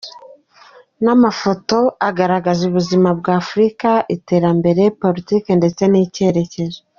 Ni amafoto agaragaza ubuzima bwa Afurika, iterambere, Politike ndete n’icyerekezo.